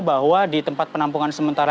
bahwa di tempat penampungan sementara